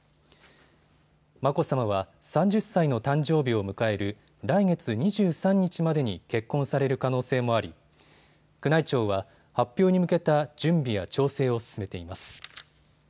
眞子さまは３０歳の誕生日を迎える来月２３日までに結婚される可能性もあり宮内庁は発表に向けた準備や調整を進めています。